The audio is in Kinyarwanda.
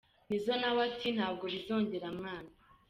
Nizzo nawe ati: "Ntabwo bizongera mwana!".